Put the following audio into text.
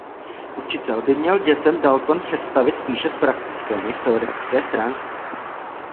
Učitel by měl dětem Dalton představit spíše z praktické než z teoretické stránky.